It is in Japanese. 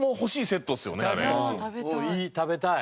いい食べたい。